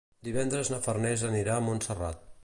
Divendres na Farners anirà a Montserrat.